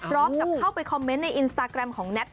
เข้าไปคอมเมนต์ในอินสตาแกรมของแท็ต